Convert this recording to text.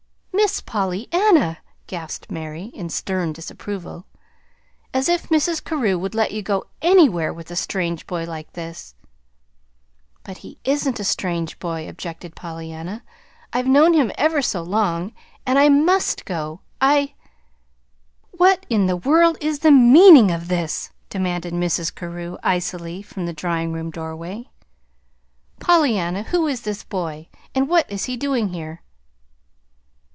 "Miss Pollyanna!" gasped Mary in stern disapproval. "As if Mrs. Carew would let you go ANYWHERE with a strange boy like this!" "But he isn't a strange boy," objected Pollyanna. "I've known him ever so long, and I MUST go. I " "What in the world is the meaning of this?" demanded Mrs. Carew icily from the drawing room doorway. "Pollyanna, who is this boy, and what is he doing here?"